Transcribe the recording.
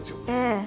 ええ。